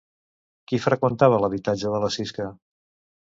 Qui freqüentava l'habitatge de la Sisca?